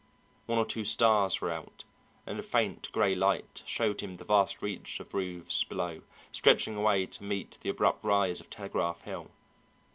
One or two stars were out, and a faint gray light showed him the vast reach of roofs below stretching away to meet the abrupt rise of Telegraph Hill.